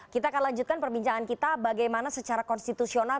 kita akan lanjutkan perbincangan kita bagaimana secara konstitusional